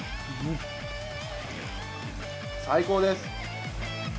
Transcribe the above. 最高です！